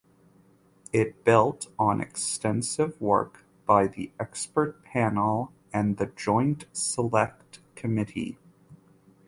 It built on extensive work by the Expert Panel and the Joint Select Committee.